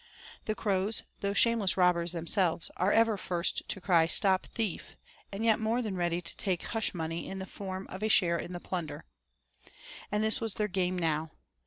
The crows, though shameless robbers themselves, are ever first to cry 'Stop thief,' and yet more than ready to take 'hush money' in the form of a share in the plunder. And this was their game now.